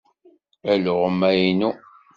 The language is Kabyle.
Alɣem-a i nnu.